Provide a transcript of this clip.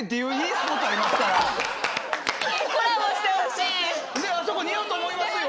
ねえあそこ似合うと思いますよ。